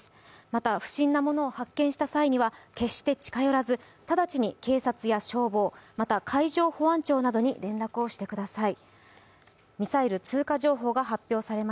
また不審なものを発見した際には決して近寄らず直ちに警察や消防、また海上保安庁などに連絡してください。